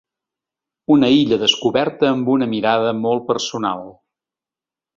Una illa descoberta amb una mirada molt personal.